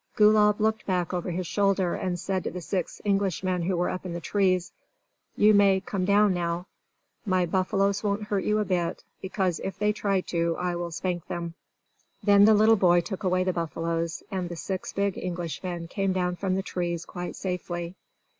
Gulab looked back over his shoulder, and said to the six Englishmen who were up in the trees: "You may come down now. My buffaloes won't hurt you a bit, because if they try to I will spank them!" Then the little boy took away the buffaloes, and the six big Englishmen came down from the trees quite safely.